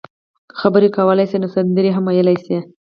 که خبرې کولای شئ نو سندرې هم ویلای شئ.